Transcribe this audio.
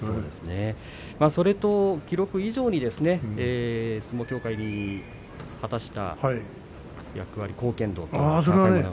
それと記録以上に相撲協会に果たした役割貢献度、ありますね。